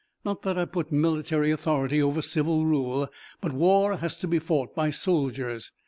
Not that I put military authority over civil rule, but war has to be fought by soldiers.